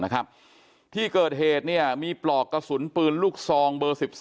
นะครับที่กเหตุเนี่ยมีปรอกกระสุนปืนลูกทรองเบอร์๑๒